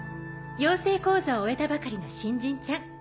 養成講座を終えたばかりの新人ちゃん。